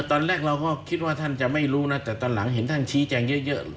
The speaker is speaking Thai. ตอนแรกเราก็คิดว่าท่านจะไม่รู้นะแต่ตอนหลังเห็นท่านชี้แจงเยอะ